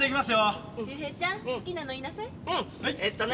えっとね